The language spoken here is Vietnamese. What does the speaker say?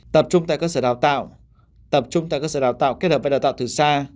tập trung tại cơ sở đào tạo tập trung tại cơ sở đào tạo kết hợp với đào tạo từ xa